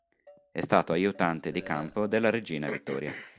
È stato aiutante di campo della regina Vittoria.